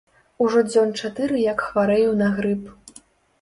Ужо дзён чатыры як хварэю на грып.